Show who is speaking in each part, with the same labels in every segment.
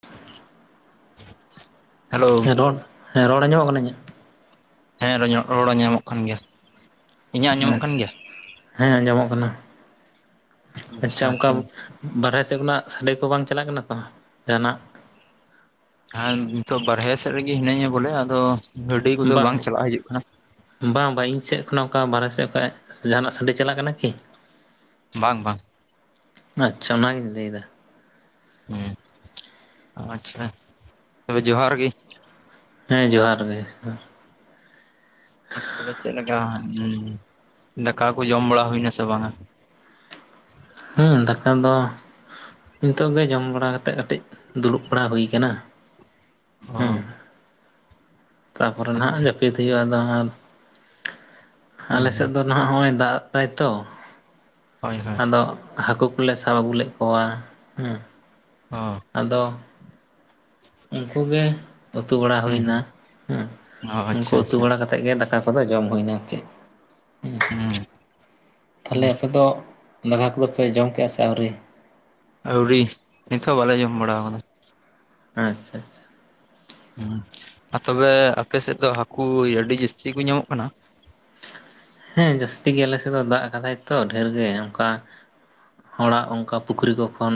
Speaker 1: [unintelligible]
Speaker 2: ᱦᱮᱸ ᱨᱚᱲ ᱦᱮᱸ ᱨᱚᱲ ᱟ ᱧᱚᱜ ᱠᱟᱹᱱᱟᱹᱧᱟ?
Speaker 1: ᱦᱮᱸ ᱨᱚᱲᱚ ᱧᱟᱢᱚᱜ ᱠᱟᱱ ᱜᱮᱭᱟ ᱤᱧᱟᱹᱜ ᱟᱸᱡᱚᱢᱚᱜ ᱠᱟᱱ
Speaker 2: ᱟᱪᱷᱟ
Speaker 1: ᱜᱮᱭᱟ
Speaker 2: ᱦᱮᱸ ᱟᱸᱡᱚᱢᱚᱜ ᱠᱟᱱᱟ ᱟᱪᱷᱟ
Speaker 1: ᱟᱪᱪᱷᱟ
Speaker 2: ᱚᱱᱠᱟ
Speaker 1: ᱴᱷᱤᱠ
Speaker 2: ᱵᱟᱨᱦᱮ ᱥᱮᱫ ᱠᱷᱚᱱᱟᱜ ᱥᱟᱰᱮ ᱠᱚ ᱵᱟᱝ ᱪᱟᱞᱟᱜ ᱠᱟᱱᱟ ᱛᱚ ᱡᱟᱦᱟᱱᱟᱜ?
Speaker 1: ᱦᱸ ᱱᱤᱛᱚᱜ ᱵᱟᱨᱦᱮ ᱥᱮᱫ ᱨᱮᱜᱮ ᱦᱤᱱᱟᱹᱧᱟ ᱵᱚᱞᱮ ᱟᱫᱚ ᱜᱟᱹᱰᱤ ᱠᱚᱫᱚ ᱵᱟᱝ ᱪᱟᱞᱟᱜ ᱦᱤᱡᱩᱜ ᱠᱟᱱᱟ
Speaker 2: ᱵᱟᱝ ᱵᱟᱝ ᱤᱧ ᱥᱮᱫ ᱠᱷᱚᱱᱟᱜ ᱚᱠᱟ ᱵᱟᱨᱦᱮ ᱥᱮᱫ ᱠᱷᱚᱪ ᱡᱟᱦᱟ ᱱᱟᱜ ᱥᱟᱰᱮ ᱪᱟᱞᱟᱜ ᱠᱟᱱᱟ ᱠᱤ
Speaker 1: ᱵᱟᱝ ᱵᱟᱝ
Speaker 2: ᱟᱪᱪᱷᱟ ᱚᱱᱟ ᱜᱤᱧ ᱞᱟᱹᱭ ᱫᱟ
Speaker 1: ᱩᱦ ᱟᱪᱪᱷᱟ ᱛᱚᱵᱮ ᱡᱚᱦᱟᱨ ᱜᱮ
Speaker 2: ᱦᱮ ᱡᱚᱦᱟᱨ ᱜᱮ -
Speaker 1: ᱟᱦ ᱛᱚᱵᱮ ᱪᱮᱫ ᱞᱮᱠᱟ ᱫᱟᱠᱟ ᱠᱚ ᱡᱚᱢ ᱵᱟᱲᱟ ᱦᱩᱭ ᱱᱟ ᱥᱮ ᱵᱟᱝᱼᱟ
Speaker 2: ᱦᱩᱦ ᱫᱟᱠᱟ ᱫᱚ ᱱᱤᱛᱚᱜ ᱜᱮ ᱡᱚᱢ ᱵᱟᱲᱟ ᱠᱟᱛᱮᱜ ᱠᱟᱴᱤᱡ ᱫᱩᱲᱩᱵ ᱵᱟᱲᱟ ᱦᱩᱭ ᱟᱠᱟᱱᱟ
Speaker 1: ᱳᱦ
Speaker 2: ᱛᱟᱯᱚᱨᱮ ᱱᱟᱦᱟᱜ ᱡᱟᱯᱤᱫ ᱦᱩᱭᱩᱜᱼᱟ ᱟᱫᱚ ᱟᱨ
Speaker 1: ᱦᱩᱸ ᱦᱩᱸ
Speaker 2: ᱟᱞᱮᱥᱮᱫ ᱫᱚ ᱱᱟᱦᱟᱜ ᱱᱚᱜᱼᱚᱭ ᱫᱟᱜ ᱛᱟᱭ ᱛᱚ
Speaker 1: ᱦᱚᱭ ᱦᱚᱜ
Speaker 2: ᱫᱚ ᱦᱟᱠᱩ ᱠᱚ ᱞᱮ ᱥᱟᱵ ᱟᱜᱩ ᱞᱮᱫ ᱠᱚᱣᱟ ᱦᱩᱼᱩ
Speaker 1: ᱳᱦ
Speaker 2: ᱟᱫᱚᱼᱜ ᱩᱱᱠᱩ ᱜᱮ ᱩᱛᱩ ᱵᱟᱲᱟ
Speaker 1: ᱦᱩᱸ ᱦᱩᱸ
Speaker 2: ᱦᱩᱭᱱᱟ ᱦᱩ
Speaker 1: ᱚ
Speaker 2: ᱩᱱᱠᱩ
Speaker 1: ᱟᱪᱪᱷᱟ
Speaker 2: ᱩᱛᱩ
Speaker 1: ᱟᱪᱪᱷᱟ
Speaker 2: ᱵᱟᱲᱟ ᱠᱟᱛᱮᱜ ᱜᱮ ᱫᱟᱠᱟ ᱫᱟᱠᱟ ᱠᱚᱫᱚ ᱡᱚᱢ ᱦᱩᱭᱱᱟ ᱟᱨᱠᱤ
Speaker 1: ᱦᱩᱸ ᱦᱩᱸ
Speaker 2: ᱛᱟᱦᱚᱞᱮ ᱟᱯᱮ ᱫᱚ ᱫᱟᱠᱟ ᱠᱚᱫᱚ ᱯᱮ ᱡᱚᱢ ᱠᱮᱫᱼᱟ ᱥᱮ ᱟᱣᱨᱤ
Speaker 1: ᱟᱣᱨᱤ ᱱᱤᱛ ᱦᱚ ᱵᱟᱞᱮ ᱡᱚᱢ ᱵᱟᱲᱟ ᱟᱠᱟᱫᱟ
Speaker 2: ᱟᱪᱪᱷᱟ ᱟᱪᱪᱷᱟ
Speaker 1: ᱟᱨ ᱛᱚᱵᱮ ᱟᱯᱮᱥᱮᱫ ᱫᱚ ᱦᱟᱠᱩ ᱟᱰᱤ ᱡᱟᱥᱛᱤ ᱠᱚ ᱧᱟᱢᱚᱜ ᱠᱟᱱᱟ
Speaker 2: ᱦᱮ ᱡᱟᱹᱥᱛᱤ ᱜᱮ ᱟᱞᱮ ᱥᱮᱫ ᱫᱚ ᱫᱟᱜ ᱟᱠᱟᱫᱟᱭ ᱛᱚ ᱰᱷᱮᱨ ᱜᱮ ᱚᱱᱠᱟ ᱦᱚᱲᱟᱜ ᱚᱱᱠᱟ ᱯᱩᱠᱷᱨᱤ ᱠᱚ ᱠᱷᱚᱱ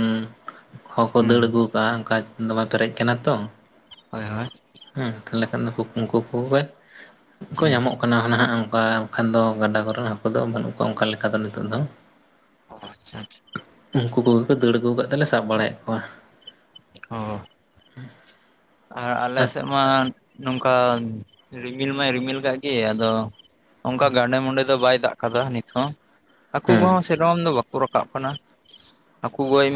Speaker 2: ᱦᱚ ᱠᱚ
Speaker 1: ᱦᱩᱸ
Speaker 2: ᱫᱟᱹᱲ ᱟᱹᱜᱩ ᱠᱟᱜᱼᱟ ᱚᱱᱠᱟ ᱫᱚᱢᱮ ᱯᱮᱨᱮᱪ ᱠᱟᱱᱟ ᱛᱚ
Speaker 1: ᱦᱳᱭ ᱦᱳᱭ
Speaker 2: ᱦᱩ ᱛᱟᱦᱚᱞᱮ ᱠᱷᱟᱱ ᱫᱚ ᱩᱱᱠᱩ ᱠᱚᱜᱮ ᱠᱚ
Speaker 1: ᱦᱩᱸ
Speaker 2: ᱧᱟᱢᱚᱜ ᱠᱟᱱᱟ ᱱᱟᱦᱟᱜ ᱚᱱᱠᱟ ᱠᱷᱟᱱ ᱫᱚ ᱜᱟᱰᱟ ᱠᱚ ᱨᱮᱱ ᱦᱟᱠᱩ ᱫᱚ ᱵᱟᱱᱩᱜ ᱠᱚᱣᱟ ᱚᱱᱠᱟ ᱞᱮᱠᱟ ᱫᱚ ᱱᱤᱛᱚᱜ ᱫᱚ
Speaker 1: ᱚ ᱟᱪᱷᱟᱪᱷᱟ
Speaker 2: ᱩᱱᱠᱩ ᱠᱚ ᱜᱮ ᱠᱚ ᱫᱟᱹᱲ ᱟᱹᱜᱩ ᱠᱟᱫ ᱛᱮᱞᱮ ᱥᱟᱵ ᱵᱟᱲᱟᱭᱮᱫ ᱠᱚᱣᱟ᱾
Speaker 1: ᱚ ᱟᱨ ᱟᱞᱮ ᱥᱮᱫ ᱢᱟ ᱱᱚᱝᱠᱟ ᱨᱤᱢᱤᱞ ᱢᱟᱭ ᱨᱤᱢᱤᱞ ᱟᱠᱟᱫ ᱜᱮ, ᱟᱫᱚ ᱚᱱᱠᱟ ᱜᱟᱸᱰᱮ ᱢᱩᱱᱰᱮ ᱫᱚ ᱵᱟᱭ ᱫᱟᱜ ᱠᱟᱫᱟ ᱱᱤᱛᱦᱚ, ᱦᱟᱠᱚ
Speaker 2: ᱦᱮᱸ
Speaker 1: ᱠᱚᱦᱚ ᱥᱮᱨᱚᱠᱚᱢ ᱫᱚ ᱵᱟ ᱠᱚ ᱨᱟᱠᱟᱵ ᱠᱟᱱᱟ᱾ ᱦᱟᱠᱩ ᱜᱚᱡ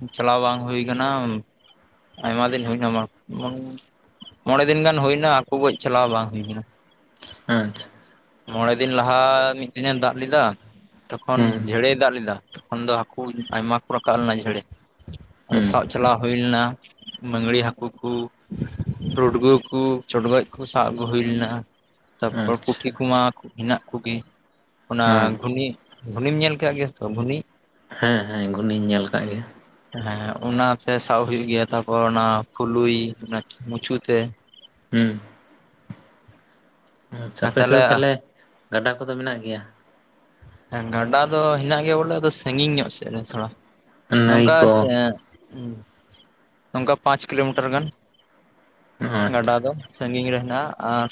Speaker 1: ᱩᱸ ᱪᱟᱞᱟᱣ ᱵᱟᱝ ᱦᱩᱭ ᱠᱟᱱᱟ ᱟᱭᱢᱟ ᱫᱤᱱ ᱦᱩᱭᱱᱟ᱾ ᱢᱚᱬᱮ ᱫᱤᱱ ᱜᱟᱱ ᱦᱩᱭᱱᱟ ᱦᱟᱠᱩ ᱜᱚᱡ ᱪᱟᱞᱟᱣ ᱵᱟᱝ ᱦᱩᱭ ᱠᱟᱱᱟ᱾
Speaker 2: ᱟᱪᱪᱷᱟ
Speaker 1: ᱢᱚᱬᱮ ᱫᱤᱱ ᱞᱟᱦᱟ ᱢᱤᱫᱴᱤᱱᱮ ᱫᱟᱜ ᱞᱮᱫᱟ ᱛᱚᱠᱷᱚᱱ
Speaker 2: ᱦᱩᱸ
Speaker 1: ᱡᱷᱮᱲᱮᱭ ᱫᱟᱜ ᱞᱮᱫᱟ᱾ ᱛᱚᱠᱷᱚᱱ ᱫᱚ ᱦᱟᱠᱩ ᱟᱭᱢᱟ ᱠᱚ ᱨᱟᱠᱟᱵ ᱞᱮᱱᱟ ᱡᱷᱮᱲᱮ᱾ ᱟᱫᱚ
Speaker 2: ᱦᱩᱸ
Speaker 1: ᱥᱟᱵ ᱪᱟᱞᱟᱣ ᱦᱩᱭ ᱞᱮᱱᱟ ᱢᱟᱹᱜᱽᱨᱤ ᱦᱟᱹᱠᱩ ᱠᱚ᱾ ᱨᱩᱰᱜᱳᱹ ᱠᱚ ᱪᱚᱰᱜᱚᱡ ᱠᱚ ᱥᱟᱵ ᱟᱹᱜᱩ ᱦᱩᱭ ᱞᱮᱱᱟ᱾ ᱛᱟᱯᱚᱨ
Speaker 2: ᱟᱪᱪᱷᱟ
Speaker 1: ᱯᱩᱴᱷᱤ ᱠᱚ ᱢᱟ ᱦᱮᱱᱟᱜ ᱠᱚ ᱜᱮ᱾ ᱚᱱᱟ
Speaker 2: ᱦᱮᱸ
Speaker 1: ᱜᱷᱩᱱᱤ ᱜᱷᱩᱱᱤᱢ ᱧᱮᱞ ᱠᱟᱜ ᱜᱮᱭᱟ ᱛᱚ ᱜᱷᱩᱱᱤ?
Speaker 2: ᱦᱮ ᱦᱮ ᱜᱩᱱᱤᱧ ᱧᱮᱞ ᱠᱟᱜ ᱜᱮᱭᱟ᱾
Speaker 1: ᱦᱮ ᱦᱮ ᱚᱱᱟ ᱛᱮ ᱥᱟᱵ ᱦᱩᱭᱩᱜ ᱜᱮᱭᱟ ᱛᱟᱯᱚᱨ ᱚᱱᱟ ᱯᱷᱩᱞᱩᱭ ᱚᱱᱟ ᱢᱩᱪᱩ ᱛᱮ᱾
Speaker 2: ᱦᱩᱸ ᱟᱪᱪᱷᱟ ᱟᱯᱮ ᱥᱮᱫ ᱫᱚ ᱛᱟᱦᱚᱞᱮ ᱜᱟᱰᱟ ᱠᱚ ᱫᱚ ᱢᱮᱱᱟᱜ ᱜᱮᱭᱟ?
Speaker 1: ᱦᱮ ᱜᱟᱰᱟ ᱫᱚ ᱦᱮᱱᱟᱜ ᱜᱮᱭᱟ ᱵᱚᱞᱮ ᱟᱫᱚ ᱥᱟᱜᱤᱧ ᱧᱚᱜ ᱥᱮᱫ ᱨᱮ ᱛᱷᱚᱲᱟ
Speaker 2: ᱱᱟᱹᱭ
Speaker 1: ᱱᱚᱝᱠᱟ
Speaker 2: ᱠᱚ
Speaker 1: ᱪᱮ ᱩᱸ ᱱᱚᱝᱠᱟ ᱯᱟᱪ ᱠᱤᱞᱳ ᱢᱤᱴᱟᱨ ᱜᱟᱱ
Speaker 2: ᱟᱪᱪᱷᱟ
Speaker 1: ᱜᱟᱰᱟ ᱫᱚ᱾ ᱥᱟᱜᱤᱧ ᱨᱮ ᱦᱮᱱᱟᱜᱼᱟ ᱟᱨ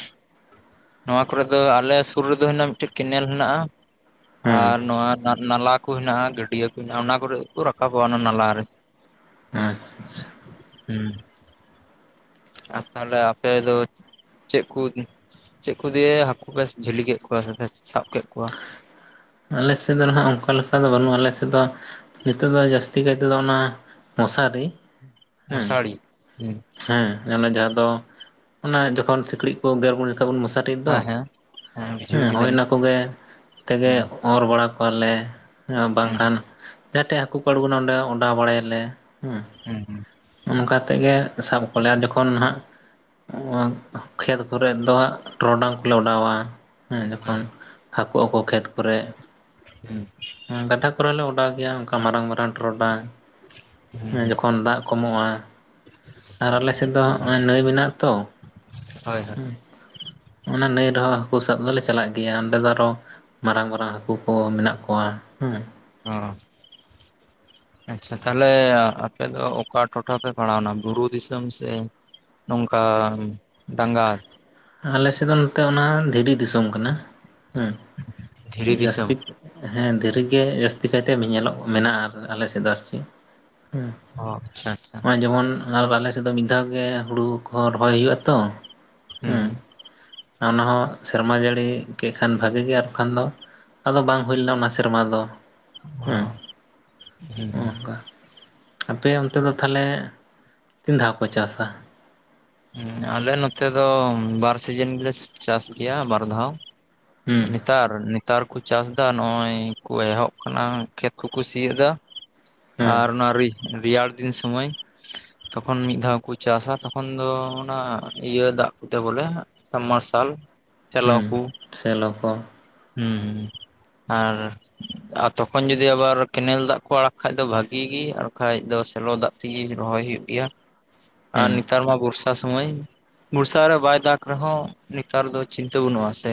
Speaker 1: ᱱᱚᱣᱟ ᱠᱚ ᱨᱮ ᱫᱚ ᱟᱞᱮ ᱥᱩᱨ ᱨᱮᱫ ᱚ ᱦᱮᱱᱟᱜᱼᱟ ᱢᱤᱫᱴᱮᱱ ᱠᱮᱱᱮᱞ ᱦᱮᱱᱟᱜᱼᱟ,
Speaker 2: ᱦᱩᱸ
Speaker 1: ᱟᱨ ᱱᱚᱣᱟ ᱱᱟᱼᱱᱟᱞᱟ ᱠᱚ ᱦᱮᱱᱟᱜᱼᱟ ᱜᱟᱹᱰᱭᱟᱹ ᱠᱚ ᱦᱮᱱᱟᱜᱼᱟ ᱚᱱᱟ ᱠᱚᱨᱮ ᱠᱩ ᱨᱟᱠᱟᱵᱚᱜᱼᱟ ᱚᱱᱟ ᱱᱟᱞᱟ ᱨᱮ᱾
Speaker 2: ᱟᱪᱪᱷᱟ ᱟᱪᱪᱷᱟ
Speaker 1: ᱦᱮᱸ ᱟᱨ ᱛᱟᱦᱚᱞᱮ ᱟᱯᱮ ᱫᱚ ᱪᱮᱫ ᱠᱚ ᱪᱮᱫ ᱠᱚ ᱫᱤᱭᱮ ᱦᱟᱹᱠᱩ ᱯᱮ ᱡᱷᱟᱞᱤ ᱠᱮᱫ ᱠᱚᱣᱟ ᱥᱮᱯᱮ ᱥᱟᱵ ᱠᱮᱫ ᱠᱚᱣᱟ᱾
Speaker 2: ᱟᱞᱮ ᱥᱮᱫ ᱫᱚ ᱦᱟᱸᱜ ᱚᱱᱠᱟ ᱞᱮᱠᱟ ᱫᱚ ᱵᱟᱹᱱᱩᱜᱼᱟ ᱟᱞᱮ ᱥᱮᱫ ᱫᱚ, ᱱᱤᱛᱚᱜ ᱫᱚ ᱡᱟᱹᱥᱛᱤ ᱠᱟᱭ ᱛᱮᱫᱚ ᱚᱱᱟ ᱢᱚᱥᱟᱨᱤ ᱦᱮᱸ
Speaker 1: ᱢᱚᱥᱟᱬᱤ ᱦᱮᱸ,
Speaker 2: ᱦᱮᱸ ᱚᱱᱮ ᱡᱟᱦᱟᱸ ᱫᱚ ᱚᱱᱟ ᱡᱚᱠᱷᱚᱱ ᱥᱤᱠᱲᱤᱡ ᱠᱚ ᱜᱮᱨ ᱵᱚᱱ ᱢᱚᱥᱟ ᱴᱤᱜ ᱫᱚ
Speaker 1: ᱦᱮᱸ ᱦᱮᱸ ᱦᱮᱸ
Speaker 2: ᱦᱮ
Speaker 1: ᱵᱩᱡᱷᱟᱹᱣ
Speaker 2: ᱦᱳᱭ
Speaker 1: ᱠᱮᱫᱟᱞᱤᱧ
Speaker 2: ᱚᱱᱟ ᱠᱚᱜᱮ ᱛᱮᱜᱮ,
Speaker 1: ᱦᱩᱸ
Speaker 2: ᱚᱨ ᱵᱟᱲᱟ ᱠᱚᱣᱟᱞᱮ
Speaker 1: ᱦᱩᱸ
Speaker 2: ᱵᱟᱝᱠᱷᱟᱱ ᱡᱟᱦᱟᱸ ᱴᱷᱮᱡ ᱦᱟᱹᱠᱩ ᱠᱚ ᱟᱬᱜᱚᱱᱟ ᱚᱸᱰᱮ, ᱚᱰᱟᱣ ᱵᱟᱲᱟᱭᱟᱞᱮ ᱦᱮᱸ,
Speaker 1: ᱦᱮᱸ ᱦᱮᱸ
Speaker 2: ᱚᱱᱠᱟ ᱛᱮᱜᱮ ᱥᱟᱵ ᱠᱚᱣᱟᱞᱮ ᱟᱨ ᱡᱚᱠᱷᱚᱱ ᱦᱟᱸᱜ ᱠᱷᱮᱛ ᱠᱚᱨᱮᱫ ᱫᱚ ᱴᱚᱨᱚᱰᱟᱝ ᱠᱚᱞᱮ ᱚᱰᱟᱣᱟ᱾ ᱦᱮᱸ
Speaker 1: ᱦᱳᱭ
Speaker 2: ᱡᱚᱠᱷᱚᱱ ᱦᱟᱹᱠᱳ ᱟᱠᱚ ᱠᱷᱮᱛ ᱠᱚᱨᱮ,
Speaker 1: ᱦᱮᱸ
Speaker 2: ᱜᱟᱰᱟ ᱠᱚᱨᱮ ᱞᱮ ᱚᱰᱟᱣ ᱜᱮᱭᱟ ᱚᱱᱠᱟ ᱢᱟᱨᱟᱝ ᱢᱟᱨᱟᱝ ᱴᱚᱨᱚᱰᱟᱝ᱾
Speaker 1: ᱦᱩᱸ
Speaker 2: ᱦᱮ
Speaker 1: ᱦᱩᱸ
Speaker 2: ᱡᱚᱠᱷᱚᱱ ᱫᱟᱜ ᱠᱚᱢᱚᱜᱼᱟ, ᱟᱨ ᱟᱞᱮᱥᱮᱫ ᱫᱚ
Speaker 1: ᱚ
Speaker 2: ᱦᱚᱜ-ᱚᱭ
Speaker 1: ᱟᱪᱪᱷᱟ
Speaker 2: ᱱᱟᱹᱭ
Speaker 1: ᱟᱪᱪᱷᱟ
Speaker 2: ᱢᱮᱱᱟᱜᱼᱟ ᱛᱚ᱾
Speaker 1: ᱦᱳᱭ ᱦᱳᱭ
Speaker 2: ᱚᱱᱟ ᱱᱟᱹᱭ ᱨᱮᱦᱚᱸ ᱦᱟᱹᱠᱳ ᱥᱟᱵ ᱫᱚᱞᱮ ᱪᱟᱞᱟᱜ ᱜᱮᱭᱟ᱾ ᱚᱸᱰᱮ ᱫᱚ ᱟᱨᱚ, ᱢᱟᱨᱟᱝ ᱢᱟᱨᱟᱝ ᱦᱟᱹᱠᱳ ᱠᱚ ᱢᱮᱱᱟᱜ ᱠᱚᱣᱟ ᱦᱮ᱾
Speaker 1: ᱚ
Speaker 2: [inaudible]
Speaker 1: ᱟᱪᱪᱷᱟ ᱛᱟᱦᱞᱮ ᱟᱯᱮ ᱫᱚ ᱚᱠᱟ ᱴᱚᱴᱷᱟ ᱯᱮ ᱯᱟᱲᱟᱣᱱᱟ ᱵᱩᱨᱩ ᱫᱤᱥᱚᱢ ᱥᱮ ᱱᱚᱝᱠᱟ ᱰᱟᱝᱟ?
Speaker 2: ᱟᱞᱮ ᱥᱮᱫ ᱫᱚ ᱱᱚᱛᱮ ᱚᱱᱟ ᱫᱷᱤᱨᱤ ᱫᱤᱥᱚᱢ ᱠᱟᱱᱟ ᱦᱮᱸ,
Speaker 1: ᱫᱷᱤᱨᱤ ᱫᱤᱥᱚᱢ
Speaker 2: ᱡᱟᱹᱥᱛᱤ ᱦᱮᱸ ᱫᱷᱤᱨᱤᱜᱮ ᱡᱟᱹᱥᱛᱤ ᱠᱟᱭᱛᱮ ᱧᱮᱞᱚᱜ ᱢᱮᱱᱟᱜᱼᱟ ᱟᱞᱮ ᱥᱮᱫ ᱫᱚ ᱟᱨᱠᱤ ᱦᱮᱸ᱾
Speaker 1: ᱚ ᱟᱪᱪᱷᱟ ᱟᱪᱪᱷᱟ᱾
Speaker 2: ᱱᱚᱜ-ᱚᱭ ᱡᱮᱢᱚᱱ ᱟᱞᱮᱥᱮᱫ ᱫᱚ ᱢᱤᱫ ᱫᱷᱟᱣ ᱜᱮ ᱦᱩᱲᱩ ᱠᱚᱦᱚᱸ ᱨᱚᱦᱚᱭ ᱦᱳᱭᱳᱜᱼᱟ ᱛᱚ,
Speaker 1: ᱦᱮᱸ ᱦᱮᱸ
Speaker 2: ᱚᱱᱟ ᱦᱚᱸ ᱥᱮᱨᱢᱟ ᱡᱟᱹᱲᱤ ᱠᱮᱫ ᱠᱷᱟᱱ ᱵᱷᱟᱹᱜᱤ ᱜᱮ ᱟᱨ ᱵᱟᱠᱷᱟᱱ ᱫᱚ ᱟᱫᱚ ᱵᱟᱝ ᱦᱳᱭ ᱞᱮᱱᱟ ᱚᱱᱟ ᱥᱮᱨᱢᱟ ᱫᱚ ᱦᱮᱸ
Speaker 1: ᱚᱸᱻ ᱦᱩᱸᱦᱩᱸ
Speaker 2: ᱚᱱᱠᱟ ᱟᱯᱮ ᱚᱱᱛᱮ ᱫᱚ ᱛᱟᱦᱞᱮ ᱛᱤᱱ ᱫᱷᱟᱣ ᱠᱚ ᱪᱟᱥᱟ
Speaker 1: ᱟᱞᱮ ᱱᱚᱛᱮ ᱫᱚ ᱵᱟᱨ ᱥᱤᱡᱮᱱ ᱜᱮᱞᱮ ᱪᱟᱥ ᱜᱮᱭᱟ ᱵᱟᱨ ᱫᱷᱟᱣ
Speaker 2: ᱦᱩᱸ
Speaker 1: ᱱᱮᱛᱟᱨ ᱱᱮᱛᱟᱨ ᱠᱚ ᱪᱟᱥ ᱫᱟ ᱱᱚᱜ-ᱚᱭ ᱠᱚ ᱮᱦᱚᱵ ᱠᱟᱱᱟ ᱠᱷᱮᱛ ᱠᱚᱠᱚ ᱥᱤᱭᱮᱫᱟ
Speaker 2: ᱦᱮᱸ
Speaker 1: ᱟᱨ ᱚᱱᱟ ᱨᱮᱼᱼᱨᱮᱭᱟᱲ ᱫᱤᱱ ᱥᱩᱢᱟᱹᱭ ᱛᱚᱠᱷᱚᱱ ᱢᱤᱫ ᱫᱷᱟᱣ ᱠᱩ ᱪᱟᱥᱟ ᱛᱚᱠᱷᱚᱱ ᱟᱫᱚ ᱚᱱᱟ ᱤᱭᱟᱹ ᱫᱟᱜ ᱠᱚᱛᱮ ᱵᱚᱞᱮ ᱥᱟᱢ ᱢᱟᱨᱥᱟᱞ ᱪᱟᱞᱟᱣ
Speaker 2: ᱦᱩᱸ
Speaker 1: ᱠᱩ
Speaker 2: ᱥᱮᱞᱚ ᱠᱚ
Speaker 1: ᱦᱩᱸ ᱦᱩᱸᱦᱩᱸ ᱟᱨ ᱟᱨ ᱛᱚᱠᱷᱚᱱ ᱡᱚᱫᱤ ᱟᱵᱟᱨ ᱠᱮᱱᱮᱞ ᱫᱟᱜ ᱠᱚ ᱟᱲᱟᱜ ᱠᱷᱟᱡ ᱫᱚ ᱵᱷᱟᱹᱜᱤ ᱜᱮ ᱟᱨ ᱵᱟᱠᱷᱟᱡ ᱫᱚ ᱥᱮᱞᱳ ᱫᱟᱜ ᱛᱤᱜᱮ ᱨᱚᱦᱚᱭ ᱦᱩᱭᱩᱜ ᱜᱮᱭᱟ ᱟᱨ
Speaker 2: ᱦᱩᱸ
Speaker 1: ᱱᱮᱛᱟᱨ ᱢᱟ ᱵᱚᱨᱥᱟ ᱥᱚᱢᱚᱭ ᱵᱚᱨᱥᱟ ᱨᱮ ᱵᱟᱭ ᱫᱟᱜᱽ ᱨᱮᱦᱚᱸ ᱱᱮᱛᱟᱨ ᱫᱚ ᱪᱤᱱᱛᱟᱹ ᱵᱟᱱᱩᱜᱼᱟ ᱥᱮ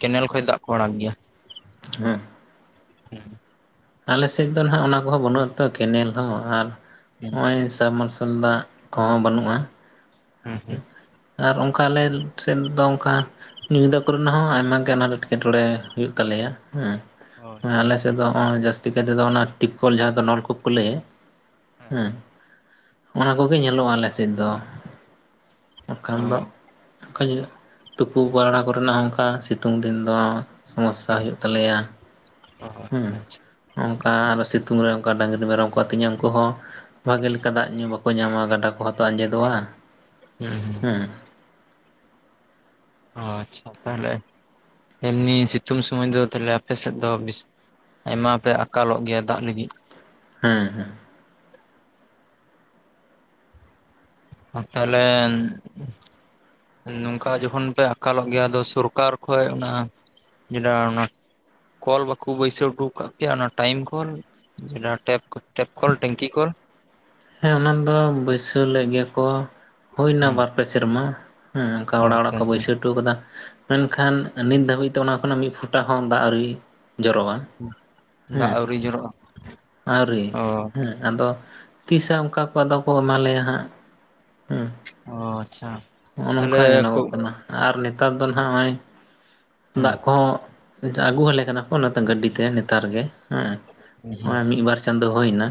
Speaker 1: ᱠᱮᱱᱮᱞ ᱠᱷᱚᱡ ᱫᱟᱜ ᱠᱚ ᱟᱲᱟᱠ ᱜᱮᱭᱟ
Speaker 2: ᱦᱮᱸ
Speaker 1: ᱦᱩᱸ
Speaker 2: ᱟᱞᱮ ᱥᱮᱫ ᱫᱚ ᱱᱷᱟᱜ ᱚᱱᱟ ᱠᱚᱦᱚᱸ ᱵᱟᱹᱱᱩᱜ ᱟᱛᱚ ᱠᱮᱱᱮᱞ ᱦᱚᱸ ᱟᱨ
Speaker 1: ᱦᱩᱸ
Speaker 2: ᱱᱚᱜᱼᱚᱭ ᱥᱟᱢ ᱢᱟᱨᱥᱟᱞ ᱫᱟᱜ ᱠᱚᱦᱚᱸ ᱵᱟᱹᱱᱩᱜᱼᱟ
Speaker 1: ᱦᱩᱸ ᱦᱩᱸ
Speaker 2: ᱟᱨ ᱚᱱᱠᱟ ᱟᱞᱮ ᱥᱮᱫ ᱫᱚ ᱚᱱᱠᱟ ᱧᱤᱫᱟᱹ ᱠᱚᱨᱮᱱᱟᱜ ᱦᱚᱸ ᱟᱭᱢᱟ ᱜᱮ ᱟᱱᱟᱴ ᱮᱸᱴᱠᱮᱴᱚᱬᱮ ᱦᱳᱭᱳᱜ ᱛᱟᱞᱮᱭᱟ ᱦᱮᱸ
Speaker 1: ᱚ ᱟᱪᱪᱷᱟ
Speaker 2: ᱟᱞᱮ
Speaker 1: ᱟᱪᱪᱷᱟ
Speaker 2: ᱥᱮᱫ ᱫᱚ ᱡᱟᱹᱥᱛᱤ ᱠᱟᱭ ᱛᱮᱫᱚ ᱚᱱᱟ ᱴᱤᱯ ᱠᱚᱞ ᱡᱟᱦᱟᱸ ᱫᱚ ᱱᱚᱞᱠᱩᱯ ᱠᱚ ᱞᱟᱹᱭᱟ ᱦᱮᱸ ᱚᱱᱟ ᱠᱚᱜᱮ ᱧᱮᱞᱚᱜᱼᱟ ᱟᱞᱮᱥᱮᱫ ᱫᱚ
Speaker 1: ᱚ
Speaker 2: ᱵᱟᱠᱷᱟᱱ ᱫᱚ [unintelligible] ᱛᱩᱯᱩ ᱯᱟᱲᱟ ᱠᱚᱨᱮᱱᱟᱜ ᱦᱚᱸ ᱚᱱᱠᱟ ᱥᱤᱛᱩᱝ ᱫᱤᱱ ᱫᱚ ᱥᱚᱢᱚᱥᱥᱟ ᱦᱩᱭᱩᱜ ᱛᱟᱞᱮᱭᱟ
Speaker 1: ᱟᱪᱪᱷᱟ
Speaker 2: ᱦᱩᱸ
Speaker 1: ᱟᱪᱪᱷᱟ
Speaker 2: ᱚᱱᱠᱟ ᱟᱨᱦᱚᱸ ᱥᱤᱛᱩᱝ ᱨᱮ ᱚᱱᱠᱟ ᱰᱟᱹᱝᱨᱤ ᱢᱮᱨᱚᱢ ᱠᱚ ᱟᱹᱛᱤᱧᱟ ᱩᱱᱠᱩ ᱦᱚᱸ ᱵᱷᱟᱜᱮ ᱞᱮᱠᱟ ᱫᱟᱜ ᱧᱩ ᱵᱟᱠᱚ ᱧᱟᱢᱟ ᱜᱟᱰᱟ ᱠᱚᱦᱚᱸ ᱛᱚ ᱟᱸᱡᱮᱫᱚᱜᱼᱟ
Speaker 1: [unintelligible]
Speaker 2: ᱦᱮᱸᱻ
Speaker 1: ᱚ ᱟᱪᱪᱷᱟ ᱛᱟᱦᱚᱞᱮ ᱮᱢᱱᱤ ᱥᱤᱛᱩᱝ ᱥᱚᱢᱚᱭ ᱫᱚ ᱛᱟᱦᱚᱞᱮ ᱟᱯᱮ ᱥᱮᱫ ᱫᱚ ᱵᱤᱥᱼᱼ ᱟᱭᱢᱟ ᱯᱮ ᱟᱠᱟᱞᱚᱜ ᱜᱮᱭᱟ ᱫᱟᱜ ᱞᱟᱹᱜᱤᱫ
Speaker 2: ᱦᱮᱸ ᱦᱮᱸ
Speaker 1: [unintelligible] ᱛᱟᱦᱞᱮ ᱱᱚᱝᱠᱟ ᱡᱚᱠᱷᱚᱱ ᱯᱮ ᱟᱠᱟᱞᱚᱜ ᱜᱮᱭᱟ ᱟᱫᱚ ᱥᱚᱨᱠᱟᱨ ᱠᱷᱚᱡ ᱚᱱᱟ [unintelligible] ᱚᱱᱟ ᱠᱚᱞ ᱵᱟᱠᱚ ᱵᱟᱹᱭᱥᱟᱹᱣ ᱦᱚᱴᱚ ᱟᱠᱟᱫ ᱯᱮᱭᱟ ᱚᱱᱟ ᱴᱟᱭᱤᱢ ᱠᱚᱞ [unintelligible] ᱴᱮᱯ ᱠᱚᱞ ᱴᱮᱝᱠᱤ ᱠᱚᱞ
Speaker 2: ᱦᱮᱸ ᱚᱱᱟ ᱫᱚ ᱵᱟᱹᱭᱥᱟᱹᱣ ᱞᱮᱫ ᱜᱮᱭᱟ ᱠᱚ ᱦᱩᱭ ᱮᱱᱟ
Speaker 1: ᱦᱩᱸ
Speaker 2: ᱵᱟᱨ ᱯᱮ ᱥᱮᱨᱢᱟ ᱦᱩᱸ ᱚᱱᱠᱟ
Speaker 1: ᱚ
Speaker 2: ᱚᱲᱟᱜ ᱚᱲᱟᱜ
Speaker 1: ᱟᱪᱪᱷᱟ
Speaker 2: ᱠᱚ
Speaker 1: ᱟᱪᱪᱷᱟ
Speaker 2: ᱵᱟᱹᱭᱥᱟᱹᱣ ᱦᱚᱴᱚ ᱟᱠᱟᱫᱟ ᱢᱮᱱᱠᱷᱟᱱ ᱱᱤᱛ ᱫᱷᱟᱹᱵᱤᱡ ᱛᱮ ᱚᱱᱟ ᱠᱷᱚᱱᱟᱜ ᱢᱤᱫ ᱯᱷᱚᱴᱟ ᱦᱚᱸ ᱫᱟᱜ ᱟᱹᱣᱨᱤ ᱡᱚᱨᱚᱜᱼᱟ
Speaker 1: [inaudible]
Speaker 2: ᱦᱮᱸ
Speaker 1: ᱡᱚᱨᱚᱜᱼᱟ
Speaker 2: ᱟᱹᱣᱨᱤ
Speaker 1: ᱚ
Speaker 2: ᱦᱮᱸ ᱟᱫᱚ ᱛᱤᱥ ᱦᱟᱸᱜ ᱚᱱᱠᱟ ᱠᱚ ᱟᱫᱚ ᱠᱚ ᱮᱢᱟ ᱞᱮᱭᱟ ᱦᱟᱸᱜ ᱦᱩᱸᱻ
Speaker 1: ᱚᱻ ᱟᱪᱪᱷᱟ
Speaker 2: ᱱᱚᱜᱼᱚ
Speaker 1: ᱛᱟᱦᱚᱞᱮ
Speaker 2: ᱱᱚᱝᱠᱟ
Speaker 1: ᱠᱚ
Speaker 2: ᱧᱮᱞᱚᱜᱚᱜ ᱠᱟᱱᱟ ᱟᱨ ᱱᱮᱛᱟᱨ ᱫᱚ ᱱᱷᱟᱜ ᱱᱚᱜᱼᱚᱭ
Speaker 1: ᱦᱩᱸ
Speaker 2: ᱫᱟᱜ ᱠᱚᱦᱚᱸ ᱟᱹᱜᱩ ᱣᱟᱞᱮ ᱠᱟᱱᱟ ᱠᱚ ᱚᱱᱟ ᱛᱮ ᱜᱟᱹᱰᱤ ᱛᱮ ᱱᱮᱛᱟᱨ ᱜᱮ ᱦᱮᱸ
Speaker 1: ᱦᱩᱸ
Speaker 2: ᱱᱚᱜᱼᱚᱭ ᱢᱤᱫ ᱵᱟᱨ ᱪᱟᱸᱫᱚ ᱦᱳᱭ ᱮᱱᱟ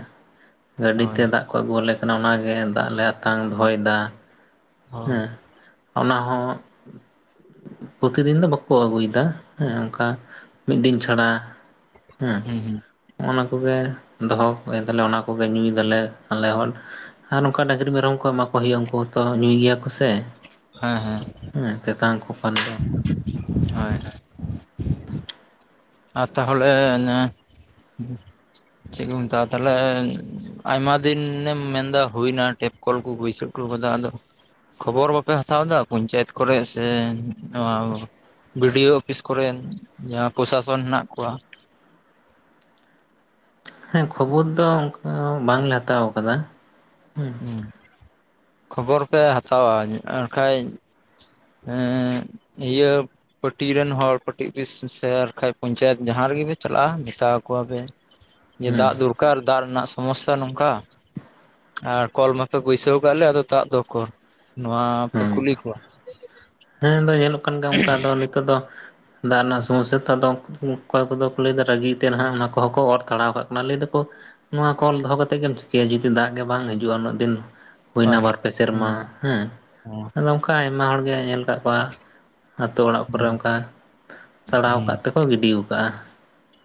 Speaker 2: ᱜᱟᱹᱰᱤ ᱛᱮ
Speaker 1: ᱦᱳᱭ
Speaker 2: ᱫᱟᱜ ᱠᱚ ᱟᱹᱜᱩᱣᱟᱞᱮ ᱠᱟᱱᱟ ᱚᱱᱟ ᱜᱮ ᱫᱟᱜ ᱞᱮ ᱟᱛᱟᱝ ᱫᱚᱦᱚᱭ ᱮᱫᱟ
Speaker 1: ᱦᱳᱭ
Speaker 2: ᱦᱮᱸ ᱚᱱᱟ ᱦᱚᱸ ᱯᱨᱚᱛᱤ ᱫᱤᱱ ᱫᱚ ᱵᱟᱠᱚ ᱟᱹᱜᱩᱭᱮᱫᱟ ᱦᱮᱸ ᱚᱱᱠᱟ ᱢᱤᱫ ᱫᱤᱱ ᱪᱷᱟᱰᱟ ᱦᱮᱸᱻ
Speaker 1: ᱦᱩᱸ ᱦᱩᱸ
Speaker 2: ᱱᱚᱜᱼᱚ ᱱᱚᱣᱟ ᱠᱚᱜᱮ ᱫᱚᱦᱚᱠ ᱮᱫᱟ ᱞᱮ ᱚᱱᱟ ᱠᱚᱜᱮ ᱧᱩᱭᱮᱫᱟᱞᱮ ᱟᱞᱮ ᱦᱚᱸ ᱟᱨ ᱱᱚᱝᱠᱟ ᱰᱟᱹᱝᱨᱤ ᱢᱮᱨᱚᱢ ᱠᱚ ᱮᱢᱟ ᱠᱚ ᱦᱩᱭᱩᱜᱼᱟ ᱩᱱᱠᱩ ᱦᱚᱛᱚ ᱧᱩᱭ ᱜᱮᱭᱟ ᱠᱚ ᱥᱮ
Speaker 1: ᱦᱮᱸ ᱦᱮᱸ
Speaker 2: ᱦᱮᱸ ᱛᱮᱛᱟᱝ ᱠᱚ ᱯᱟᱞᱮ ᱫᱚ
Speaker 1: [inaudible] ᱦᱚᱭ ᱦᱚᱭ ᱟᱨ ᱛᱟᱦᱚᱞᱮ ᱱᱮ ᱪᱮᱫ ᱠᱚ ᱢᱮᱛᱟᱜᱼᱟ ᱛᱟᱦᱞᱮ ᱟᱭᱢᱟ ᱫᱤᱱ ᱮᱢ ᱢᱮᱱᱫᱟ ᱦᱩᱭᱱᱟ ᱴᱮᱯ ᱠᱚᱞ ᱠᱚ ᱵᱟᱹᱭᱥᱟᱹᱣ ᱦᱚᱴᱚ ᱠᱟᱫᱟ ᱟᱫᱚ ᱠᱷᱚᱵᱚᱨ ᱵᱟᱯᱮ ᱦᱟᱛᱟᱣ ᱮᱫᱟ ᱯᱚᱧᱪᱟᱭᱮᱛ ᱠᱚᱨᱮ ᱥᱮ ᱱᱚᱣᱟ ᱵᱤ. ᱰᱤ. ᱳ ᱚᱯᱷᱤᱥ ᱠᱚᱨᱮᱱ ᱡᱟᱦᱟᱸ ᱯᱨᱚᱥᱟᱥᱚᱱ ᱦᱮᱱᱟᱜ ᱠᱚᱣᱟ
Speaker 2: ᱦᱮᱸ ᱠᱷᱚᱵᱚᱨ ᱫᱚ ᱚᱱᱠᱟ ᱵᱟᱝ ᱞᱮ ᱦᱟᱛᱟᱣ ᱟᱠᱟᱫᱟ ᱦᱩᱸ
Speaker 1: ᱠᱷᱚᱵᱚᱨ ᱯᱮ ᱦᱟᱛᱟᱣᱟ ᱚᱱᱟ ᱠᱷᱟᱡ ᱦᱮᱸ ᱤᱭᱟᱹ ᱯᱟᱴᱤ ᱨᱮᱱ ᱦᱚᱲ ᱯᱟᱴᱤ ᱚᱯᱷᱤᱥ ᱥᱮ ᱟᱨ ᱦᱟᱸᱜ ᱠᱷᱟᱡ ᱠᱟᱱ ᱯᱚᱧᱪᱟᱭᱮᱛ ᱡᱟᱦᱟᱸ ᱨᱮᱜᱮ ᱯᱮ ᱪᱟᱞᱟᱜᱼᱟ ᱢᱮᱛᱟ ᱟᱠᱚᱣᱟ ᱯᱮ
Speaker 2: [inaudible]
Speaker 1: ᱡᱮ ᱫᱟᱜ ᱫᱚᱨᱠᱟᱨ ᱫᱟᱜ ᱨᱮᱱᱟᱜ ᱥᱚᱢᱚᱥᱥᱟ ᱱᱚᱝᱠᱟ ᱟᱨ ᱠᱚᱞ ᱢᱟᱯᱮ ᱵᱟᱹᱭᱥᱟᱹᱣ ᱠᱟᱜ ᱞᱮ ᱟᱫᱚ ᱫᱟᱜ ᱫᱚ ᱳᱠᱳᱨ ᱱᱚᱣᱟ ᱯᱮ
Speaker 2: ᱦᱮᱸ
Speaker 1: ᱠᱩᱞᱤ ᱠᱚᱣᱟ
Speaker 2: ᱦᱮᱸ ᱟᱫᱚ ᱧᱮᱞᱚᱜ ᱠᱟᱱ ᱜᱮᱭᱟ ᱚᱱᱠᱟ ᱫᱚ ᱱᱤᱛᱚᱜ ᱫᱚ ᱫᱟᱜ ᱨᱮᱱᱟᱜ ᱥᱚᱢᱚᱥᱥᱟ ᱛᱚ ᱟᱫᱚ ᱚᱠᱚᱭ ᱠᱚᱫᱚ ᱠᱚ ᱞᱟᱹᱭ ᱮᱫᱟ ᱨᱟᱜᱤ ᱛᱮ ᱱᱟᱦᱟᱜ ᱚᱱᱟ ᱠᱚᱦᱚᱸ ᱠᱚ ᱚᱨ ᱛᱟᱲᱟᱣ ᱠᱟᱜ ᱠᱟᱱᱟ ᱞᱟᱹᱭ ᱮᱫᱟ ᱠᱚ ᱱᱚᱣᱟ ᱠᱚᱞ ᱫᱚᱦᱚ ᱠᱟᱛᱮᱫ ᱜᱮᱢ ᱪᱤᱠᱟᱹᱭᱟ ᱡᱩᱫᱤ ᱫᱟᱜ ᱜᱮ ᱵᱟᱝ ᱦᱤᱡᱩᱜᱼᱟ ᱩᱱᱟᱹᱜ ᱫᱤᱱ ᱦᱩᱭᱱᱟ
Speaker 1: ᱦᱳᱭ
Speaker 2: ᱵᱟᱨ ᱯᱮ
Speaker 1: ᱦᱳᱭ
Speaker 2: ᱥᱮᱨᱢᱟ ᱦᱮᱸ
Speaker 1: ᱦᱩᱸ
Speaker 2: ᱟᱫᱚ ᱚᱱᱠᱟ ᱟᱭᱢᱟ ᱦᱚᱲ ᱜᱮ ᱧᱮᱞ ᱠᱟᱜ ᱠᱚᱣᱟ ᱟᱛᱳ ᱚᱲᱟᱜ
Speaker 1: ᱦᱩᱸ
Speaker 2: ᱠᱚᱨᱮᱜ ᱚᱱᱠᱟ ᱛᱟᱲᱟᱣ
Speaker 1: ᱦᱩᱸ
Speaker 2: ᱠᱟᱫ ᱛᱮᱠᱚ ᱜᱤᱰᱤᱣ ᱠᱟᱜᱼᱟ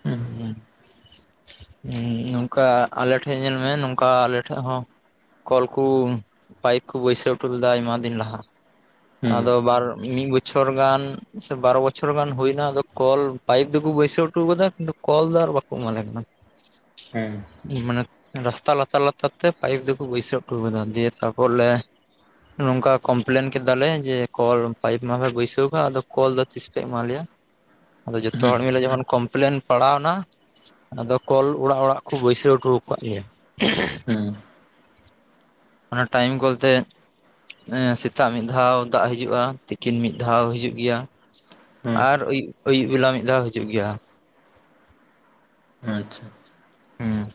Speaker 2: ᱦᱩᱸ
Speaker 1: ᱦᱩᱸ ᱩᱻ ᱱᱚᱝᱠᱟ ᱟᱞᱮ ᱴᱷᱮᱡ ᱧᱮᱞ ᱢᱮ ᱱᱚᱝᱠᱟ ᱟᱞᱮ ᱴᱷᱮᱡ ᱦᱚᱸ ᱠᱚᱞ ᱠᱩ ᱯᱟᱭᱤᱯ ᱠᱚ ᱵᱟᱹᱭᱥᱟᱹᱣ ᱦᱚᱴᱚ ᱞᱮᱫᱟ ᱟᱭᱢᱟ ᱫᱤᱱ ᱞᱟᱦᱟ
Speaker 2: ᱦᱩᱸ
Speaker 1: ᱟᱫᱚ ᱵᱟᱨ ᱢᱤᱫ ᱵᱚᱪ ᱪᱷᱚᱨ ᱜᱟᱱ ᱥᱮ ᱵᱟᱨ ᱵᱚᱪᱷᱚᱨ ᱜᱟᱱ ᱦᱩᱭ ᱮᱱᱟ ᱟᱫᱚ ᱠᱚᱞ ᱯᱟᱭᱤᱯ ᱫᱚᱠᱚ ᱵᱟᱹᱭᱥᱟᱹᱣ ᱦᱚᱴᱚ ᱟᱠᱟᱫᱟ ᱠᱤᱱᱛᱩ ᱠᱚᱞ ᱫᱚ ᱟᱨ ᱵᱟ ᱠᱚᱢᱟᱞᱮ ᱠᱟᱱᱟ
Speaker 2: [inaudible] ᱦᱮᱸ
Speaker 1: ᱢᱟᱱᱮ ᱨᱟᱥᱛᱟ ᱞᱟᱛᱟᱨ ᱞᱟᱛᱟᱨ ᱛᱮ ᱯᱟᱭᱤᱯ ᱫᱚᱠᱚ ᱵᱟᱹᱭᱥᱟᱹᱣ ᱦᱚᱴᱩ ᱟᱠᱟᱫᱟ ᱫᱤᱭᱮ ᱛᱟᱯᱚᱨ ᱞᱮ ᱱᱚᱝᱠᱟ ᱠᱚᱢᱯᱞᱮᱱ ᱠᱮᱫᱟᱞᱮ ᱡᱮ ᱠᱚᱞ ᱯᱟᱭᱤᱯ ᱢᱟᱯᱮ ᱵᱟᱹᱭᱥᱟᱹᱣ ᱟᱠᱟᱫ ᱟᱫᱚ ᱠᱚᱞ ᱫᱚ ᱛᱤᱥ ᱯᱮ ᱮᱢᱟ ᱞᱮᱭᱟ ᱟᱫᱚ ᱡᱚᱛᱚ ᱦᱚᱲ ᱢᱤᱞᱮ ᱡᱮᱢᱚᱱ ᱠᱚᱢᱯᱞᱮᱱ ᱯᱟᱲᱟᱣ ᱱᱟ ᱟᱫᱚ ᱠᱚᱞ ᱚᱲᱟᱜ ᱚᱲᱟᱜ ᱠᱚ ᱵᱟᱹᱭᱥᱟᱹᱣ ᱦᱚᱴᱚ ᱟᱠᱟᱫ ᱞᱮᱭᱟ
Speaker 2: ᱦᱩᱸ
Speaker 1: ᱚᱱᱟ ᱴᱟᱭᱤᱢ ᱠᱚᱞᱛᱮ ᱮᱸ ᱥᱮᱛᱟᱜ ᱢᱤᱫ ᱫᱷᱟᱣ ᱫᱟᱜ ᱦᱤᱡᱩᱜᱼᱟ ᱛᱤᱠᱤᱱ ᱢᱤᱫ ᱫᱷᱟᱣ ᱦᱤᱡᱩᱜ ᱜᱮᱭᱟ
Speaker 2: ᱦᱩᱸ
Speaker 1: ᱟᱨ ᱟᱭᱩᱵ ᱟᱹᱭᱩᱵ ᱵᱮᱞᱟ ᱢᱤᱫ ᱫᱷᱟᱣ ᱦᱤᱡᱩᱜ ᱜᱮᱭᱟ
Speaker 2: ᱟᱪᱪᱷᱟ ᱟᱪᱪᱷᱟ
Speaker 1: ᱦᱩᱸ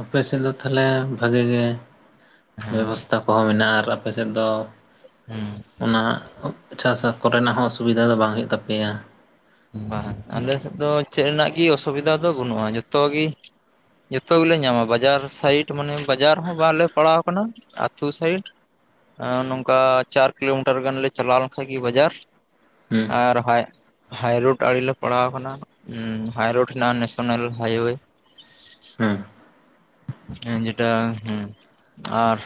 Speaker 2: ᱟᱯᱮ ᱥᱮᱫ ᱫᱚ ᱛᱟᱦᱚᱞᱮ ᱵᱷᱟᱜᱮ ᱜᱮ
Speaker 1: ᱦᱮᱸ
Speaker 2: ᱵᱮᱵᱚᱥᱛᱷᱟ ᱠᱚᱦᱚᱸ ᱢᱮᱱᱟᱜᱼᱟ ᱟᱨ ᱟᱯᱮ ᱥᱮᱫ ᱫᱚ ᱚᱱᱟ ᱪᱟᱥ ᱠᱚᱨᱮᱱᱟᱜ ᱦᱚᱸ ᱚᱥᱩᱵᱤᱫᱷᱟ ᱫᱚ ᱵᱟᱝ ᱦᱩᱭᱩᱜ ᱛᱟᱯᱮᱭᱟ
Speaker 1: ᱵᱟᱝ ᱟᱞᱮ ᱥᱮᱫ ᱫᱚ ᱪᱮᱫ ᱨᱮᱱᱟᱜ ᱜᱮ ᱚᱥᱩᱵᱤᱫᱷᱟ ᱫᱚ ᱵᱟᱹᱱᱩᱜᱼᱟ ᱡᱚᱛᱚ ᱜᱮ ᱡᱚᱛᱚ ᱜᱮᱞᱮ ᱧᱟᱢᱟ ᱵᱟᱡᱟᱨ ᱥᱟᱭᱤᱴ ᱢᱟᱱᱮ ᱵᱟᱡᱟᱨ ᱦᱚᱸ ᱵᱟᱝᱞᱮ ᱯᱟᱲᱟᱣ ᱟᱠᱟᱱᱟ ᱟᱛᱳ ᱥᱟᱭᱤᱰ ᱱᱚᱝᱠᱟ ᱪᱟᱨ ᱠᱤᱞᱳᱢᱤᱴᱟᱨ ᱜᱟᱱᱞᱮ ᱪᱟᱞᱟᱣ ᱞᱮᱱᱠᱷᱟᱡ ᱜᱮ ᱵᱟᱡᱟᱨ
Speaker 2: ᱦᱩᱸ
Speaker 1: ᱟᱨ ᱦᱟᱭ ᱦᱟᱭᱨᱳᱰ ᱟᱲᱞᱮ ᱯᱟᱲᱟᱣ ᱟᱠᱟᱱᱟ ᱦᱟᱭᱨᱳᱰ ᱦᱮᱱᱟᱜᱼᱟ ᱱᱮᱥᱮᱱᱟᱞ ᱦᱟᱭᱚᱣᱮ
Speaker 2: ᱦᱩᱸ
Speaker 1: ᱦᱮᱸ ᱡᱮᱴᱟ ᱦᱩᱸ ᱟᱨ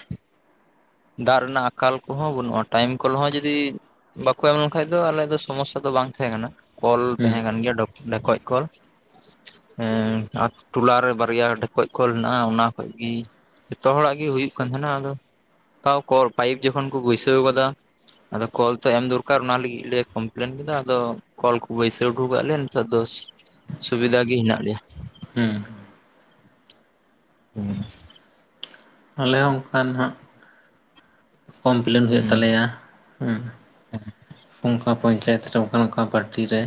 Speaker 1: ᱫᱟᱜ ᱨᱮᱱᱟᱜ ᱟᱠᱟᱞ ᱠᱚᱦᱚᱸ ᱵᱟᱹᱱᱩᱜᱼᱟ ᱴᱟᱭᱤᱢ ᱠᱚᱨᱮ ᱦᱚᱸ ᱡᱩᱫᱤ ᱵᱟᱠᱚ ᱮᱢ ᱞᱮᱠᱷᱟᱡ ᱫᱚ ᱟᱞᱮ ᱫᱚ ᱥᱚᱢᱚᱥᱥᱟ ᱫᱚ ᱵᱟᱝ ᱛᱟᱦᱮᱸ ᱠᱟᱱᱟ ᱠᱚᱞ ᱛᱟᱦᱮᱸ
Speaker 2: ᱦᱩᱸ
Speaker 1: ᱠᱟᱱ ᱜᱮᱭᱟ ᱰᱚᱠ ᱰᱮᱠᱚᱡ ᱠᱚᱞ ᱮᱸ ᱟᱛ [inaudible] ᱴᱚᱞᱟ ᱨᱮ ᱵᱟᱨᱭᱟ ᱰᱷᱮᱠᱚᱡ ᱠᱚᱞ ᱦᱮᱱᱟᱜᱼᱟ ᱚᱱᱟ ᱠᱷᱚᱡ ᱜᱤ ᱡᱚᱛᱚ ᱦᱚᱲᱟᱜ ᱜᱮ ᱦᱩᱭᱩᱜ ᱠᱟᱱ ᱛᱟᱦᱮᱸᱱᱟ ᱟᱫᱚ ᱛᱟᱣ ᱠᱚᱞ ᱯᱟᱭᱤᱯ ᱡᱚᱠᱷᱚᱱ ᱠᱚ ᱜᱟᱹᱭᱥᱟᱹᱣ ᱟᱠᱟᱫᱟ ᱟᱫᱚ ᱠᱚᱞ ᱛᱟᱦᱮᱱ ᱫᱚᱨᱠᱟᱨ ᱚᱱᱟ ᱞᱟᱹᱜᱤᱫ ᱞᱮ ᱠᱚᱢᱯᱞᱮᱱ ᱠᱮᱫᱟ ᱟᱫᱚ ᱠᱚᱞ ᱠᱚ ᱵᱟᱹᱭᱥᱟᱹᱣ ᱦᱚᱴᱚ ᱟᱠᱟᱟᱜ ᱞᱮᱭᱟ ᱱᱮᱛᱟᱨ ᱫᱚ ᱥᱩᱵᱤᱫᱷᱟ ᱜᱮ ᱦᱮᱱᱟᱜ ᱞᱮᱭᱟ
Speaker 2: ᱦᱩᱸ
Speaker 1: ᱦᱩᱸ
Speaker 2: ᱟᱞᱮ ᱦᱚ ᱚᱱᱠᱟ ᱱᱟᱦᱟᱜ ᱠᱚᱢᱯᱞᱮᱱ ᱦᱩᱭᱩᱜ
Speaker 1: ᱦᱮᱸ
Speaker 2: ᱛᱟᱞᱮᱭᱟ ᱦᱩᱸ ᱚᱱᱠᱟ ᱯᱚᱧᱪᱟᱭᱮᱛ ᱨᱮ ᱚᱱᱠᱟ ᱚᱱᱠᱟ ᱯᱟᱴᱤ ᱨᱮ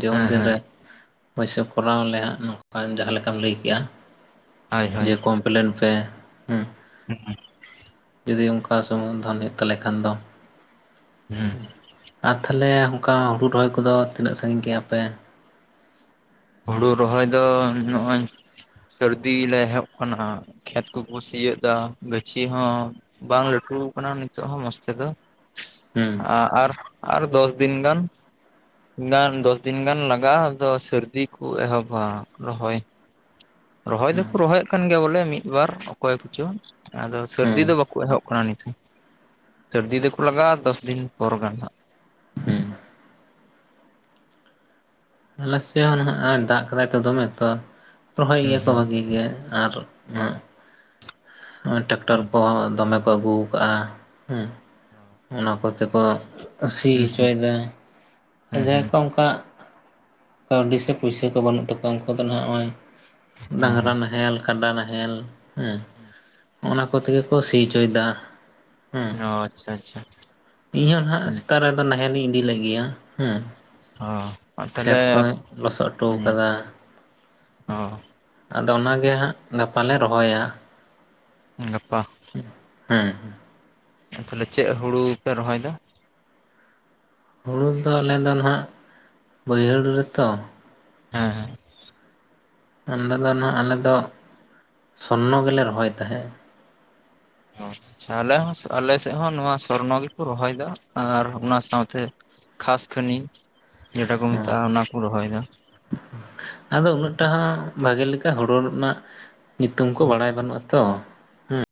Speaker 2: ᱡᱮ ᱩᱱ
Speaker 1: ᱦᱮᱸ
Speaker 2: ᱫᱤᱱᱨᱮ ᱯᱚᱭᱥᱟᱹ ᱠᱚᱨᱟᱣ ᱟᱞᱮ ᱱᱚᱝᱠᱟ ᱡᱟᱦᱟᱸ ᱞᱮᱠᱟᱢ ᱞᱟᱹᱭ ᱠᱮᱜᱼᱟ
Speaker 1: ᱦᱳᱭ ᱦᱳᱭ
Speaker 2: ᱡᱮ ᱠᱚᱢᱯᱞᱮᱱ ᱯᱮ ᱦᱮᱸ
Speaker 1: [unintelligible]
Speaker 2: ᱡᱩᱫᱤ ᱚᱱᱠᱟ ᱥᱩᱢᱩᱝ ᱫᱷᱚᱱ ᱦᱩᱭᱩᱜ ᱛᱟᱞᱮ ᱠᱷᱟᱱ ᱫᱚ
Speaker 1: ᱦᱩᱸ
Speaker 2: ᱟᱨ ᱛᱟᱦᱚᱞᱮ ᱚᱱᱠᱟ ᱦᱩᱲᱩ ᱨᱚᱦᱚᱭ ᱠᱚᱫᱚ ᱛᱤᱱᱟᱹᱜ ᱥᱟᱺᱜᱤᱧ ᱜᱮᱜ-ᱟ ᱯᱮ
Speaker 1: ᱦᱩᱲᱩ ᱨᱚᱦᱚᱭ ᱫᱚ ᱱᱚᱜᱼᱚᱭ ᱥᱟᱹᱨᱫᱤ ᱞᱮ ᱮᱦᱚᱵ ᱟᱠᱟᱱᱟ ᱠᱷᱮᱛ ᱠᱚᱠᱚ ᱥᱤ ᱮᱫᱟ ᱜᱟᱹᱪᱷᱤ ᱦᱚᱸ ᱵᱟᱝ ᱞᱟᱹᱴᱩ ᱟᱠᱟᱱᱟ ᱱᱤᱛᱚᱜ ᱦᱚᱸ ᱢᱚᱡᱽ ᱛᱮᱫᱚ
Speaker 2: ᱦᱩᱸ
Speaker 1: ᱟᱨ ᱟᱨ ᱫᱚᱥ ᱫᱤᱱ ᱜᱟᱱ, ᱜᱟᱱ ᱫᱚᱥ ᱫᱤᱱ ᱜᱟᱱ ᱞᱟᱜᱟᱜᱼᱟ ᱟᱫᱚ ᱥᱟᱹᱨᱫᱤ ᱠᱚ ᱮᱦᱚᱵᱟ ᱨᱚᱦᱚᱭ, ᱨᱚᱦᱚᱭ
Speaker 2: ᱦᱩᱸ
Speaker 1: ᱫᱚᱠᱚ ᱨᱚᱦᱚᱭᱮᱫ ᱠᱟᱱ ᱜᱮᱭᱟ ᱵᱚᱞᱮ ᱢᱤᱫ ᱵᱟᱨ ᱚᱠᱚᱭ ᱠᱚᱪᱚᱝ ᱟᱫᱚ
Speaker 2: ᱦᱩᱸ
Speaker 1: ᱥᱟᱹᱨᱫᱤ ᱫᱚ ᱵᱟᱠᱚ ᱮᱦᱚᱵ ᱠᱟᱱᱟ ᱱᱤᱛᱚᱜ ᱥᱟᱹᱨᱫᱤ ᱫᱚᱠᱚ ᱞᱟᱜᱟᱜᱼᱟ ᱫᱚᱥ ᱫᱤᱱ ᱯᱚᱨ ᱜᱟᱱ ᱱᱟᱦᱟᱜ
Speaker 2: ᱦᱩᱸ ᱟᱞᱮᱥᱮᱫ ᱦᱚᱸ ᱱᱟᱦᱟᱜ ᱫᱟᱜ ᱠᱟᱫᱟᱭ ᱛᱚ ᱫᱚᱢᱮ ᱛᱚ ᱨᱚᱦᱚᱭ ᱜᱮᱭᱟ
Speaker 1: ᱦᱟᱸᱜ
Speaker 2: ᱠᱚ ᱵᱷᱟᱜᱤ ᱜᱮ ᱟᱨ ᱱᱚᱣᱟ ᱱᱚᱜ-ᱚᱭ ᱴᱨᱟᱠᱴᱟᱨ
Speaker 1: ᱦᱩᱸ
Speaker 2: ᱠᱚ ᱫᱚᱢᱮ ᱠᱚ ᱟᱹᱜᱩ ᱟᱠᱟᱜ-ᱟ ᱦᱩᱸ, ᱚᱱᱟ ᱠᱚᱛᱮ ᱠᱚ ᱥᱤ
Speaker 1: ᱦᱩᱸ
Speaker 2: ᱦᱚᱪᱚᱭᱮᱫᱟ
Speaker 1: ᱦᱩᱸ ᱦᱩᱸ ᱦᱩᱸ
Speaker 2: ᱡᱟᱦᱟᱸᱭ
Speaker 1: ᱦᱩᱸ
Speaker 2: ᱠᱚ ᱚᱱᱠᱟ ᱠᱟᱹᱣᱰᱤ ᱥᱮ ᱯᱩᱭᱥᱟᱹ ᱠᱚ ᱵᱟᱹᱱᱩᱜ ᱛᱟᱠᱚᱣᱟ ᱩᱱᱠᱩ ᱫᱚ ᱱᱟᱦᱟᱜ ᱱᱚᱜ-ᱚᱭ
Speaker 1: ᱦᱩᱸ
Speaker 2: ᱰᱟᱸᱝᱨᱟ
Speaker 1: ᱦᱩᱸ
Speaker 2: ᱱᱟᱦᱮᱞ ᱠᱟᱰᱟ ᱱᱟᱦᱮᱞ ᱦᱮᱸ
Speaker 1: ᱦᱩᱸ
Speaker 2: ᱚᱱᱟ ᱠᱚ ᱛᱮᱜᱮ ᱠᱚ ᱥᱤ ᱚᱪᱚᱭᱮᱫᱟ ᱦᱮᱸ
Speaker 1: ᱚ ᱟᱪᱪᱷᱟ ᱟᱪᱪᱷᱟ
Speaker 2: ᱤᱧᱦᱚᱸ ᱱᱟᱦᱟᱜ ᱥᱮᱛᱟᱜ ᱨᱮᱫᱚ ᱱᱟᱦᱮᱞ ᱤᱧ ᱤᱫᱤ ᱞᱟᱜᱤᱫ ᱟᱸ ᱦᱮᱸ
Speaker 1: ᱚ ᱛᱟᱦᱞᱮ
Speaker 2: ᱠᱷᱮᱛ ᱠᱚ ᱞᱚᱥᱚᱫ ᱚᱴᱚ ᱟᱠᱟᱫᱟ
Speaker 1: ᱚ
Speaker 2: ᱟᱫᱚ ᱚᱱᱟᱜᱮ ᱦᱟᱸᱜ ᱜᱟᱯᱟ ᱞᱮ ᱨᱚᱦᱚᱭᱟ
Speaker 1: ᱜᱟᱯᱟ
Speaker 2: ᱦᱮᱸ
Speaker 1: ᱛᱟᱦᱚᱞᱮ ᱪᱮᱫ ᱦᱩᱲᱩ ᱯᱮ ᱨᱚᱦᱚᱭ ᱮᱫᱟ?
Speaker 2: ᱦᱩᱲᱩ ᱫᱚ ᱟᱞᱮ ᱫᱚ ᱱᱟᱦᱟᱸᱜ ᱵᱟᱹᱭᱦᱟᱹᱲ ᱨᱮ ᱛᱚ
Speaker 1: ᱦᱮᱸ ᱦᱮᱸ
Speaker 2: ᱚᱸᱰᱮ ᱫᱚ ᱱᱟᱦᱟᱜ ᱟᱞᱮ ᱫᱚ ᱥᱚᱨᱱᱚ ᱜᱮᱞᱮ ᱨᱚᱦᱚᱭ ᱛᱟᱦᱮᱸᱫ
Speaker 1: ᱚ ᱟᱪᱪᱷᱟ, ᱟᱞᱮ ᱦᱚᱸ ᱟᱞᱮ ᱥᱮᱫ ᱦᱚᱸ ᱱᱚᱶᱟ ᱥᱚᱨᱱᱚ ᱜᱮᱠᱚ ᱨᱚᱦᱚᱭ ᱮᱫᱟ ᱟᱨ ᱚᱱᱟ ᱥᱟᱶᱛᱮ ᱠᱷᱟᱥ ᱠᱷᱟᱱᱤ ᱞᱮᱠᱟ ᱠᱚ
Speaker 2: ᱦᱚᱸ
Speaker 1: ᱢᱮᱛᱟᱜᱼᱟ ᱚᱱᱟᱠᱚ ᱨᱚᱦᱚᱭ ᱮᱫᱟ
Speaker 2: ᱟᱫᱚ ᱩᱱᱟᱹᱜ ᱴᱟᱜ ᱦᱚᱸ ᱵᱷᱟᱜᱮ ᱞᱮᱠᱟ ᱦᱚᱨᱚ ᱨᱮᱱᱟᱜ ᱧᱩᱛᱩᱢ ᱠᱚ
Speaker 1: ᱦᱩᱸ
Speaker 2: ᱵᱟᱲᱟᱭ ᱵᱟᱹᱱᱩᱜᱼᱟ ᱛᱚ ᱦᱮᱸ